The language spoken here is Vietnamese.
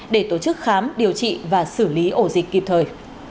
để tổ chức khám điều trị và xử lý ổ dịch kịp thời